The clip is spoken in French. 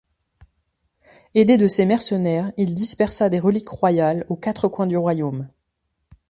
Aidé de ces mercenaires, il dispersa des reliques royales aux quatre coins du royaume.